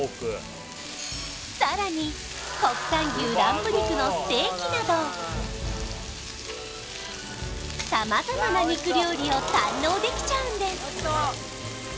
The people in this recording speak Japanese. さらに国産牛ランプ肉のステーキなど様々な肉料理を堪能できちゃうんです